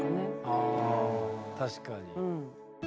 あ確かに。